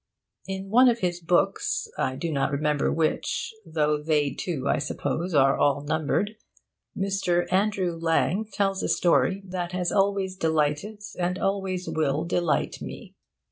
In one of his books (I do not remember which, though they, too, I suppose, are all numbered) Mr. Andrew Lang tells a story that has always delighted and always will delight me.